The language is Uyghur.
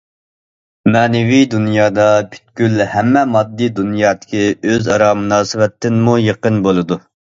مەنىۋى دۇنيادا پۈتكۈل ھەممە ماددىي دۇنيادىكى ئۆز ئارا مۇناسىۋەتتىنمۇ يېقىن بولىدۇ.